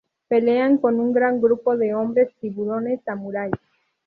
Pelean con un grupo de hombres tiburones samurái.